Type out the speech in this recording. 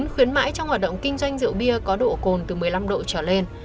khuyến mãi trong hoạt động kinh doanh rượu bia có độ cồn từ một mươi năm độ trở lên